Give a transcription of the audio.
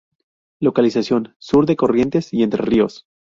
Localización: Sur de Corrientes y Entre Ríos.